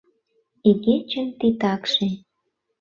Игечын титакше...